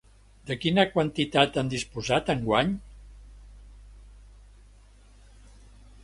De quina quantitat han disposat enguany?